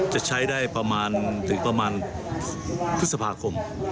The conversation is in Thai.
จะใช้ได้ประมาณถึงประมาณพฤษภาคม